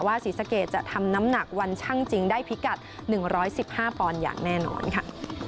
ศรีสะเกดจะทำน้ำหนักวันชั่งจริงได้พิกัด๑๑๕ปอนด์อย่างแน่นอนค่ะ